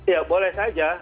ya boleh saja